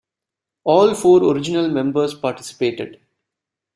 All four original members participated.